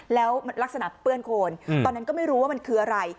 แล้วลักษณะเปื้อนโคนตอนนั้นก็ไม่รู้ว่ามันคืออะไร